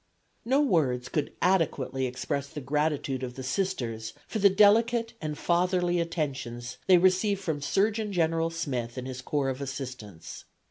No words could adequately express the gratitude of the Sisters for the delicate and fatherly attentions they received from Surgeon General Smith and his corps of assistants.